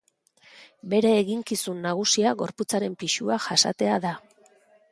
Bere eginkizun nagusia gorputzaren pisua jasatea da.